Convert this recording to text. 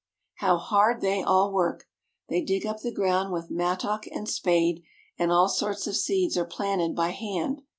How hard they all work ! They dig up the ground with Plowing Rice Ground. mattock and spade, and all sorts of seeds are planted by hand.